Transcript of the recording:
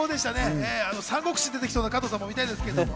『三国志』に出てきそうな加藤さんも見たいです。